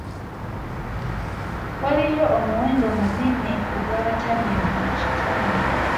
Waliyo omuwendo munene ogw'abatamiivu mu kitundu.